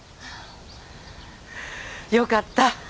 よかった！